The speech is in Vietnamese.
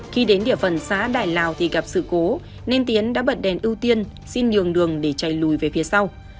khi đến địa phần xã đại lào thì gặp sự cố nên tiến đã bật đèn ưu tiên xin nhường đường để chạy lùi về phía sau